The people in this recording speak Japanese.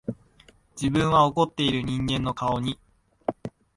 自分は怒っている人間の顔に、